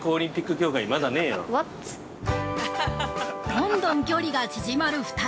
◆どんどん距離が縮まる２人。